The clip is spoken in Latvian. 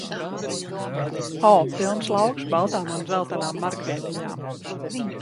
O, pilns lauks baltām un dzeltenām margrietiņām !